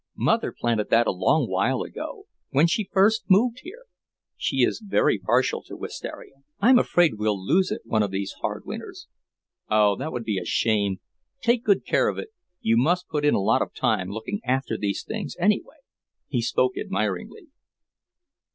"Mother planted that a long while ago, when she first moved here. She is very partial to wistaria. I'm afraid we'll lose it, one of these hard winters." "Oh, that would be a shame! Take good care of it. You must put in a lot of time looking after these things, anyway." He spoke admiringly.